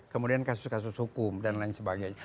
kemudian kasus kasus hukum dan lain sebagainya